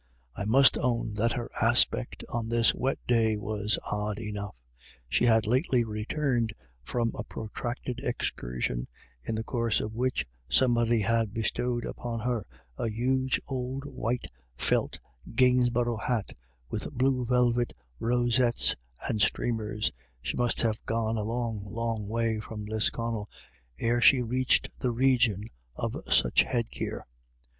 I must own that her aspect on this wet day was odd enough. She had lately returned from a protracted excursion, in the course of which somebody had bestowed upon her a huge old white felt Gainsborough hat with blue velvet rosettes and streamers — she must have gone a long, long way from Lisconnel ere she reached the region of such head gear.